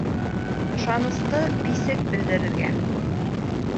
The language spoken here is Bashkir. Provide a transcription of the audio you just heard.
Ышанысты писек белдерергә